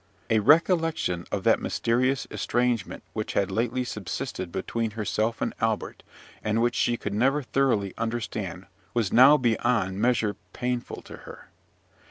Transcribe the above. A recollection of that mysterious estrangement which had lately subsisted between herself and Albert, and which she could never thoroughly understand, was now beyond measure painful to her.